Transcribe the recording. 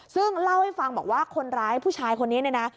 ซึ่งเล่าให้ฟังบอกว่าคนร้ายผู้ชายคนนี้เนี่ยนะ